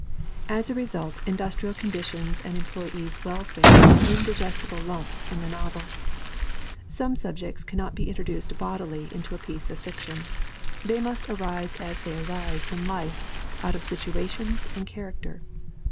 As a result industrial conditions and employees' welfare are indigestible lumps in the novel. Some subjects cannot be introduced bodily into a piece of fiction. They must arise as they arise in life out of situations and char acter.